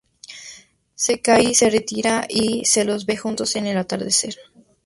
Sekai se retira y se los ve juntos en el atardecer.